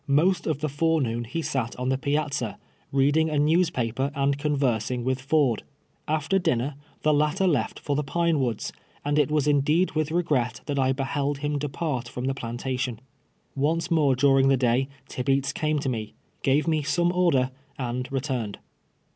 Most of the fore noon lie sat on the piazza, reading a newspaper and conversing with Ford. After dinner, the latter left for the Pine AVoods, and it was indeed with regret that I behold him (U part from the ])lantation. Once more during the day Tibeats came to me, gave me some order, and returned.